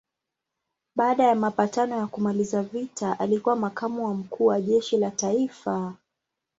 Baada ya mapatano ya kumaliza vita alikuwa makamu wa mkuu wa jeshi la kitaifa.